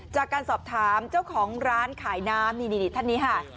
จากการสอบถามเจ้าของร้านขายน้ำนี่ท่านนี้ค่ะ